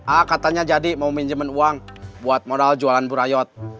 a katanya jadi mau pinjemen uang buat modal jualan burayot